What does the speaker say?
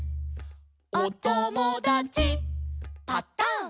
「おともだちパタン」